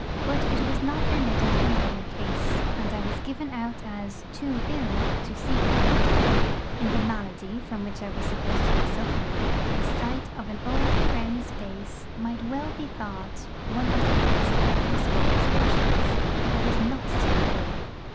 But it was not permitted in either case, and I was given out as 'too ill' to see anybody. In the malady from which I was supposed to be suffering, the sight of an old friend's face might well be thought one of the best of possible prescriptions. I was not too ill.